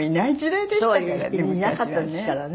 いなかったですからね